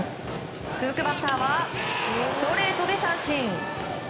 続くバッターはストレートで三振。